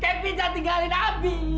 kevin jangan tinggalin abi